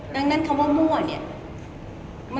ดังนั้นคำว่ามั่ว